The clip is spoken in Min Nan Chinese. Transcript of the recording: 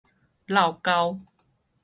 落勾